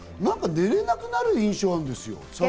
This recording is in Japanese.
寝れなくなる印象があるんですよ。